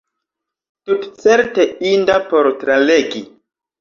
Tutcerte inda por tralegi.